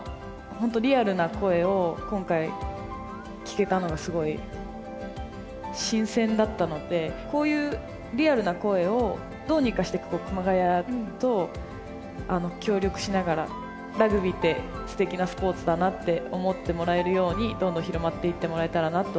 本当リアルな声を今回聞けたのがすごい新鮮だったのでこういうリアルな声をどうにかしてここ熊谷と協力しながらラグビーってステキなスポーツだなって思ってもらえるようにどんどん広まっていってもらえたらなと思います。